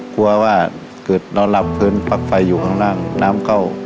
กลัวว่าเกิดนอนหลับพื้นปลั๊กไฟอยู่ข้างล่างน้ำเข้า